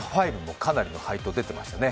かなりの配当、出てましたね